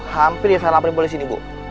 hampir ya saya laporin polisi bu